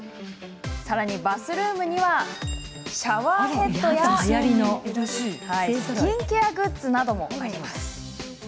さらにバスルームにはシャワーヘッドやスキンケアグッズなどもあります。